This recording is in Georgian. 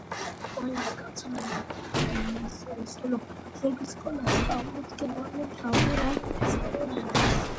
ყველაზე გავრცელებული ენაა ინგლისური, ხოლო ზოგი სკოლა სწავლობს გერმანულ, ფრანგულ ან ესპანურ ენებს.